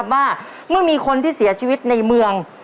ว่าเมื่อมีคนที่เสียชีวิตในเมือง